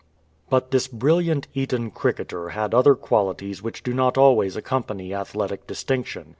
'*'' But this brilliant Eton cricketer had other qualities which do not always accompany athletic distinction.